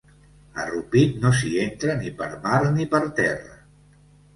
A Rupit no s'hi entra ni per mar ni per terra.